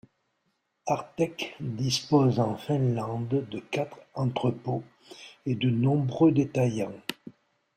Artek dispose en Finlande de quatre entrepôts et de nombreux détaillants.